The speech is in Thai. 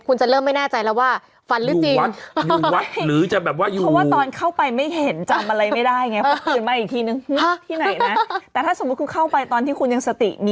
คุณจะเริ่มไม่แน่ใจแล้วว่าฟันหรือจริง